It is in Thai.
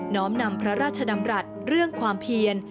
้อมนำพระราชดำรัฐเรื่องความเพียร